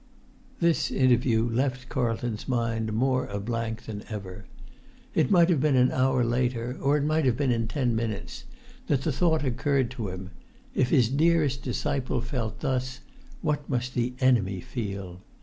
This interview left Carlton's mind more a blank than ever. It might have been an hour later, or it might have been in ten minutes, that the thought occurred to him—if his dearest disciple felt thus, what must the enemy feel?